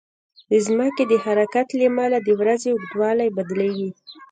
د ځمکې د حرکت له امله د ورځې اوږدوالی بدلېږي.